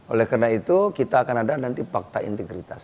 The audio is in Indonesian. oleh karena itu kita akan ada nanti fakta integritas